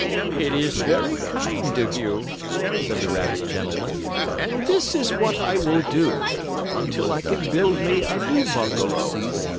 "It is very kind of you," said the rabbit gentleman. "And this is what I will do, until I can build me a new bungalow.